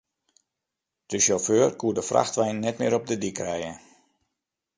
De sjauffeur koe de frachtwein net mear op de dyk krije.